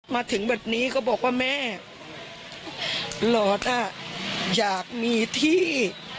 มาถึงบัตรนี้ก็บอกว่าแม่หลอดอ่ะอยากมีที่